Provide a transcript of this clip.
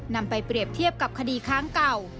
นำไปเปรียบเทียบกับคดีค้างเก่า